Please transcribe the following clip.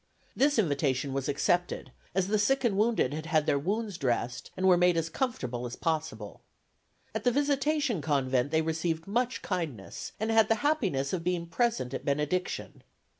This invitation was accepted, as the sick and wounded had had their wounds dressed, and were made as comfortable as possible. At the Visitation Convent they received much kindness, and had the happiness of being present at benediction.